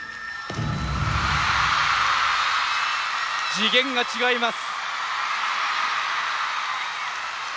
次元が違います。